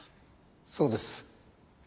そうです。